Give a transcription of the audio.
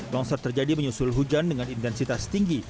longsor terjadi menyusul hujan dengan intensitas tinggi